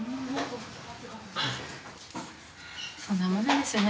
そんなもんなんですよね。